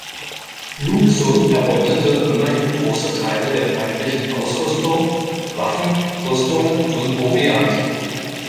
Lu Xun erbeutete immerhin große Teile der feindlichen Ausrüstung, Waffen, Rüstungen und Proviant.